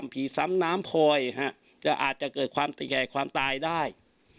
ซ้ำน้ำพลอยจะอาจจะเกิดความสแก่ความตายได้